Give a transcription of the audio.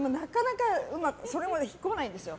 それでも引っこまないんですよ。